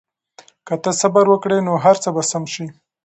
که ته صبر وکړې نو هر څه به سم شي.